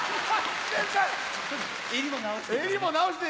襟も直して。